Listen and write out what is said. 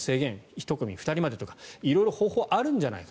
１組２人までとか色々方法はあるんじゃないか。